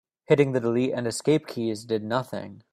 Hitting the delete and escape keys did nothing.